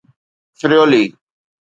فريولي